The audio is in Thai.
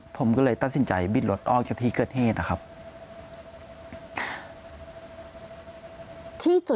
ผมก็เลยตัดสินใจบิดรถออกจากที่เกิดเหตุนะครับ